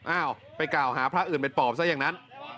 อ้าวไปกล่าวหาพระอื่นเป็นปอบซะอย่างนั้น